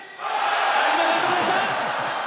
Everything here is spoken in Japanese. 冴島監督でした！